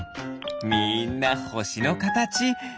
みんなほしのかたち。